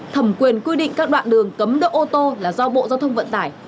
thẩm quyền quy định các đoạn đường cấm đỗ ô tô là do bộ giao thông vận tải